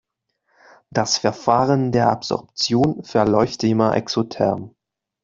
Das Verfahren der Absorption verläuft immer exotherm.